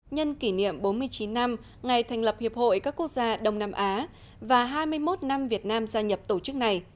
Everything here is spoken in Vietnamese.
nhân kỷ niệm bốn mươi chín năm ngày thành lập hiệp hội các quốc gia đông nam á và hai mươi một năm việt nam gia nhập tổ chức này